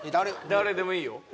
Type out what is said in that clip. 誰でもいいよ